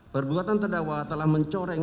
perbuatan terdakwa telah mencoreng